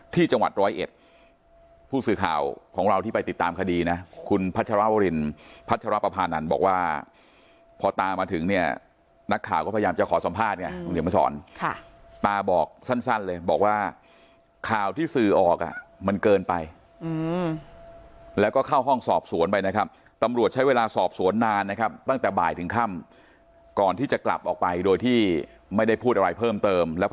ที่จังหวัดร้อยเอ็ดผู้สื่อข่าวของเราที่ไปติดตามคดีนะคุณพัชรวรินพัชรปภานันบอกว่าพอตามาถึงเนี่ยนักข่าวก็พยายามจะขอสัมภาษณ์ไงคุณเดี๋ยวมาสอนค่ะตาบอกสั้นเลยบอกว่าข่าวที่สื่อออกอ่ะมันเกินไปแล้วก็เข้าห้องสอบสวนไปนะครับตำรวจใช้เวลาสอบสวนนานนะครับตั้งแต่บ่ายถึงค่ำก่อนที่จะกลับออกไปโดยที่ไม่ได้พูดอะไรเพิ่มเติมแล้ว